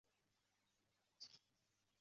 纽约参展交流